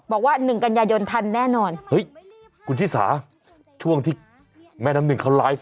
บอกว่า๑กันยายนทันแน่นอนเฮ้ยคุณชิสาช่วงที่แม่น้ำหนึ่งเขาไลฟ์